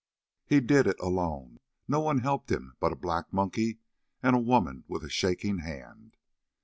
"He did it alone: no one helped him but a black monkey and a woman with a shaking hand.